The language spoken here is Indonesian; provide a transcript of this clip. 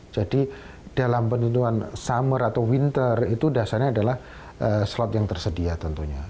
jadi dalam penentuan summer atau winter itu dasarnya adalah slot yang tersedia tentunya